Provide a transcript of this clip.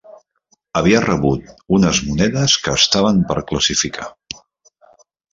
Havia rebut unes monedes que estaven per classificar